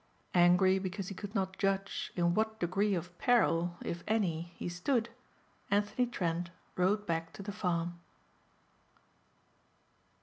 Angry because he could not judge in what degree of peril if any, he stood, Anthony Trent rode back to the farm.